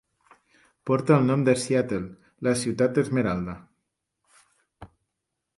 Porta el nom de Seattle, la Ciutat Esmeralda.